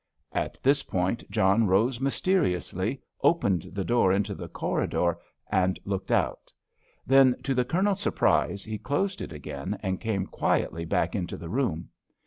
At this point John rose mysteriously, opened the door into the corridor and looked out. Then, to the Colonel's surprise, he closed it again, and came quietly back into the room.